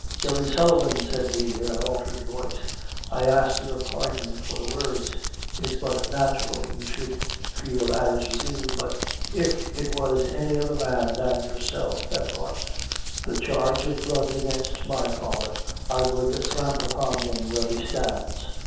"Jerry Sullivan," said he, in an altered voice, "I ax your pardon for the words it's but natural you should feel as you do; but if it was any other man than yourself that brought the charge of blood against my father, I would thramp upon him where he stands."